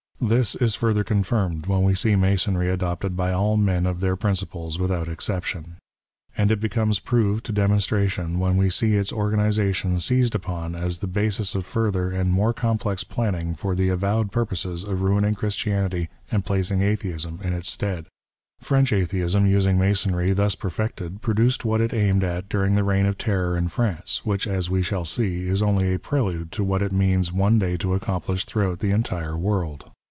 This is further confirmed when we see Masonry adopted by all men of their principles without exception. And it becomes proved to demonstration when we see its organ ization seized upon as the basis of further and more complex planning for the avowed purposes of ruining Christianity and placing Atheism in its stead. Erench PREFACE. XIU Atheism using Masonry thus perfected, produced what it aimed at during the Eeign of Terror in France, which, as we shall see, is only a prelude to what it means one day to accomplish throughout the entire world.